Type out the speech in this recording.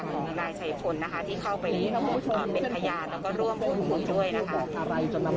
คือมีนายไชฟนนะคะที่เข้าไปอ่าเป็นพญาติแล้วก็ร่วมคุณผู้ด้วยนะคะ